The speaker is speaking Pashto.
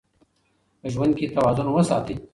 په ژوند کې توازن وساتئ.